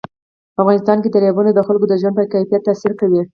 په افغانستان کې دریابونه د خلکو د ژوند په کیفیت تاثیر کوي.